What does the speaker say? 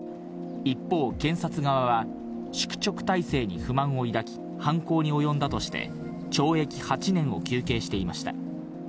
一方、検察側は、宿直体制に不満を抱き、犯行に及んだとして、懲役８年を求刑していました。